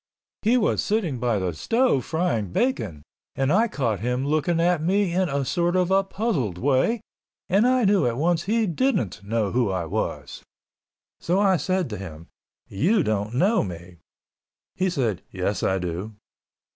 He was sitting by the stove frying bacon and I caught him looking at me in a sort of a puzzled way and I knew at once he didn't know who I was. So I said to him, "You don't know me." He said, "Yes, I do."